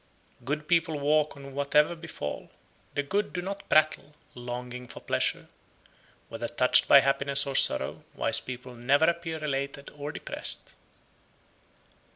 83. Good people walk on whatever befall, the good do not prattle, longing for pleasure; whether touched by happiness or sorrow wise people never appear elated or depressed.